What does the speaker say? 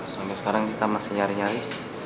sampai sekarang kita masih nyari nyari